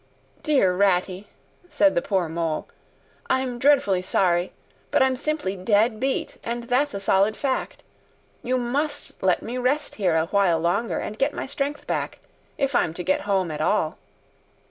"Dear Ratty," said the poor Mole, "I'm dreadfully sorry, but I'm simply dead beat and that's a solid fact. You must let me rest here a while longer, and get my strength back, if I'm to get home at all."